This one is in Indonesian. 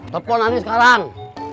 telepon ani sekarang